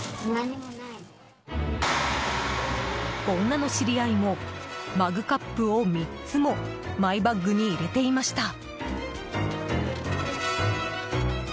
女の知り合いもマグカップを３つもマイバッグに入れていました。